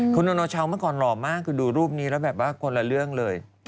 คุณโอโนชาวเมื่อก่อนหล่อมากคือดูรูปนี้แล้วแบบว่าคนละเรื่องเลย